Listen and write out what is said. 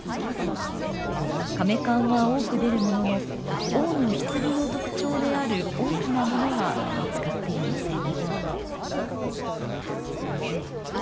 かめ棺は多く出るものの王の棺の特徴である大きなものは見つかっていません。